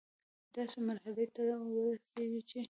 داسي مرحلې ته ورسيږي چي